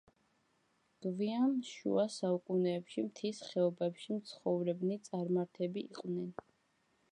გვიან შუა საუკუნეებში მთის ხეობებში მცხოვრებნი წარმართები იყვნენ.